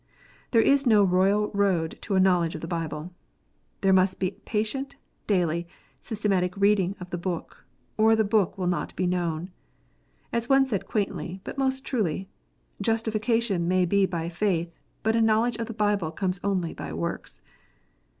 There is no royal road to a knowledge of the Bible. There must be patient, daily, systematic reading of the Book, or the Book will not be known. As one said quaintly, but most truly, " Justification may be by faith, but a knowledge of the Bible comes only by works."